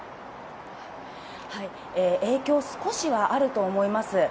影響、少しはあると思います。